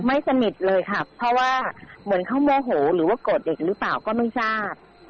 สนิทเลยค่ะเพราะว่าเหมือนเขาโมโหหรือว่าโกรธเด็กหรือเปล่าก็ไม่ทราบ